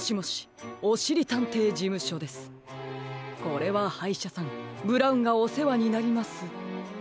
これははいしゃさんブラウンがおせわになります。